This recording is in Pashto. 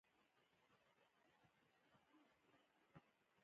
سترنج به مې کاوه.